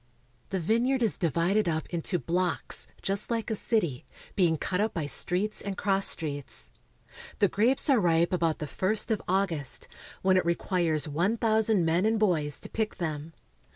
The vineyard is divided up into blocks, just like a city, being cut up by streets and cross streets. The grapes are ripe about the ist of August, when it requires one thou sand men and boys to pick them.